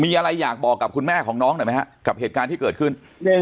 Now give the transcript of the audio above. มีอะไรอยากบอกของคุณแม่น้องกับเหตุการณ์ที่เกิดขึ้น